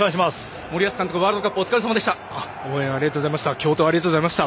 森保監督、ワールドカップお疲れさまでした。